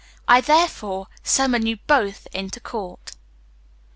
I, therefore, summon you both into court."